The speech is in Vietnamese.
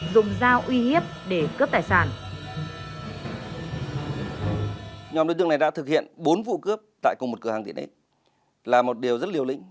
dùng dao uy hiếp để cướp tài sản